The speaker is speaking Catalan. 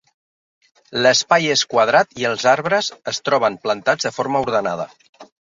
L'espai és quadrat i els arbres es troben plantats de forma ordenada.